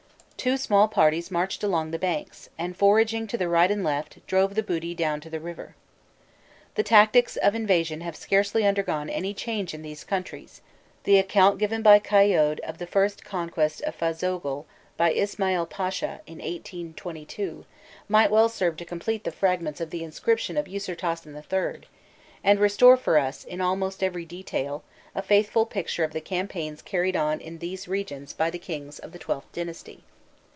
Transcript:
Two small parties marched along the banks, and foraging to the right and left, drove the booty down to the river. The tactics of invasion have scarcely undergone any change in these countries; the account given by Cailliaud of the first conquest of Fazogl by Ismail Pasha, in 1822, might well serve to complete the fragments of the inscription of Usirtasen III., and restore for us, almost in every detail, a faithful picture of the campaigns carried on in these regions by the kings of the XIIth dynasty.